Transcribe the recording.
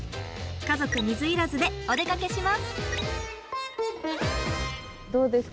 家族水入らずでお出かけします！